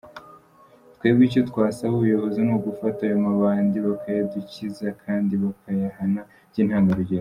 Twebwe icyo twasaba ubuyobozi ni ugufata ayo mabandi bakayadukiza kandi bakayahana by’intangarugero.